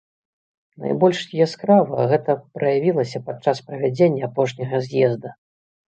Найбольш яскрава гэта праявілася падчас правядзення апошняга з'езда.